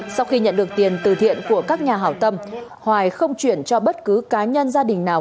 sau khi nhận được tiền từ thiện của các nhà hảo tâm hoài không chuyển cho bất cứ cá nhân gia đình nào